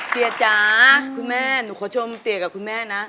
เสียจ๋าคุณแม่หนูขอชมเตี๋ยกับคุณแม่นะ